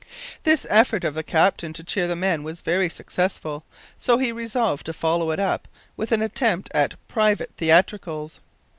This effort of the captain to cheer the men was very successful, so he resolved to follow it up with an attempt at private theatricals.